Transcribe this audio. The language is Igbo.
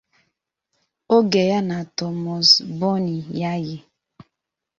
oge ya na Thomas Boni Yayi